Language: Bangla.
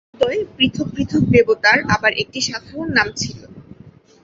এই সমুদয় পৃথক পৃথক দেবতার আবার একটি সাধারণ নাম ছিল।